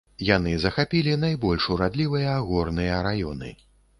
Яны захапілі найбольш урадлівыя горныя раёны.